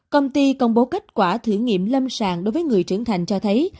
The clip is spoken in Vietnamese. công ty công bố kết quả thử nghiệm lâm sàng đối với người trưởng thành cho thấy